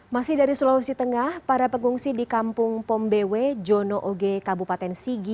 masih dari sulawesi tengah para pengungsi di kampung pombewe jono oge kabupaten sigi